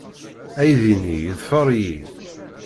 Aydi-nni yeḍfer-iyi.